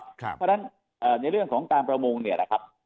เพราะฉะนั้นในเรื่องของการประมงเนี่ยนะครับ